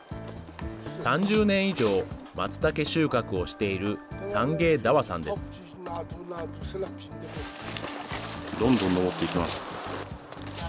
３０年以上、マツタケ収穫をしている、サンゲイ・ダワさんでどんどん登っていきます。